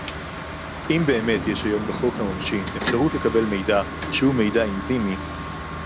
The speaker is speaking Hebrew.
אם באמת יש היום בחוק העונשין אפשרות לקבל מידע - שהוא מידע אינטימי